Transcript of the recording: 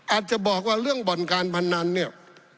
อาจจะบอกว่าเรื่องบ่อนการพนันเนี่ย